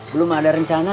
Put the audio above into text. belum ada rencana